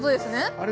あれ？